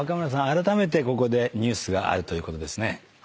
あらためてここでニュースがあるということですね。